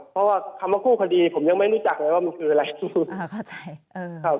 เพราะว่าคำว่ากู้คดีผมยังไม่รู้จักเลยว่ามันคืออะไร